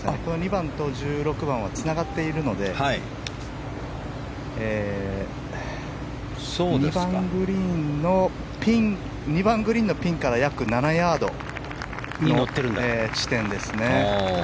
２番と１６番はつながっているので２番グリーンのピンから約７ヤードの地点ですね。